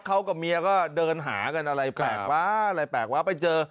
เขากับเมียก็เดินหากันอะไรแปลกว่าไปเจอ